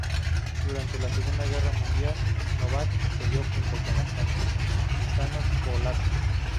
Durante la Segunda Guerra Mundial, Novak peleó junto con los partisanos polacos.